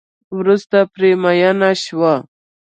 وروسته پرې میېنه شوه.